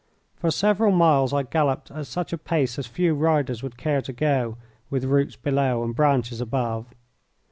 For several miles I galloped at such a pace as few riders would care to go with roots below and branches above.